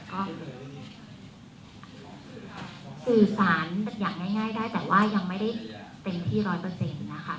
ก็สื่อสารอย่างง่ายได้แต่ว่ายังไม่ได้เต็มที่ร้อยเปอร์เซ็นต์นะคะ